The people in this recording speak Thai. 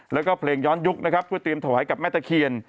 แล้วก็เพลงย้อนยุคนะครับเพื่อเตรียมถวายกับแม่ตะเคียน